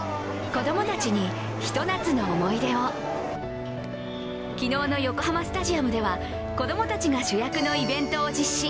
子供たちにひと夏の思い出を、昨日の横浜スタジアムでは、子供たちが主役のイベントを実施。